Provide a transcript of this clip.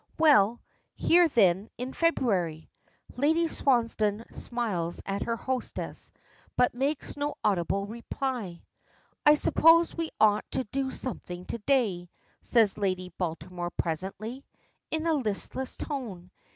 "Well, here then in February." Lady Swansdown smiles at her hostess, but makes no audible reply. "I suppose we ought to do something to day," says Lady Baltimore presently, in a listless tone.